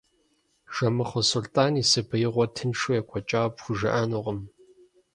Жэмыхъуэ Сулътӏан и сабиигъуэр тыншу екӏуэкӏауэ пхужыӏэнукъым.